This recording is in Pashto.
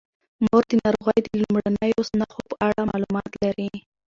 مور د ناروغۍ د لومړنیو نښو په اړه معلومات لري.